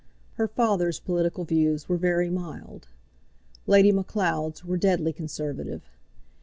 Her father's political views were very mild. Lady Macleod's were deadly conservative.